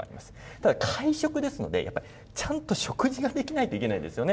ただ、会食ですので、やっぱりちゃんと食事ができないといけないですよね。